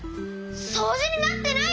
そうじになってない！？